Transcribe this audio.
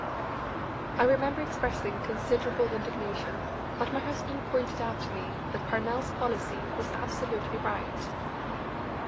I remember expressing considerable indignation, but my husband pointed out to me that Parnell's policy was absolutely right.